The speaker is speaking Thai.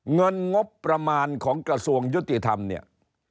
เงินงบประมาณของกระทรวงยุติธรรมเนี่ย